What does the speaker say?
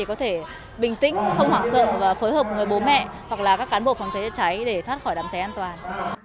có thể bình tĩnh không hoảng sợ và phối hợp với bố mẹ hoặc là các cán bộ phòng cháy chữa cháy để thoát khỏi đám cháy an toàn